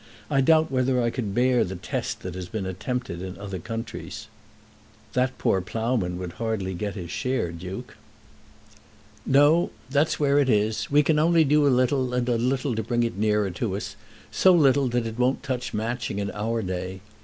I doubt whether I could bear the test that has been attempted in other countries." "That poor ploughman would hardly get his share, Duke." "No; that's where it is. We can only do a little and a little to bring it nearer to us; so little that it won't touch Matching in our day.